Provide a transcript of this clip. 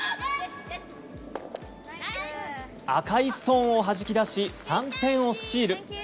赤いストーンをはじき出し３点をスチール。